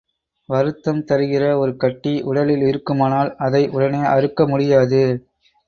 வருத்தம் தருகிற ஒரு கட்டி, உடலில் இருக்குமானால் அதை உடனே அறுக்க முடியாது.